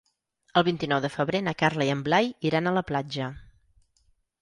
El vint-i-nou de febrer na Carla i en Blai iran a la platja.